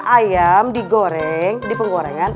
ayam digoreng di penggorengan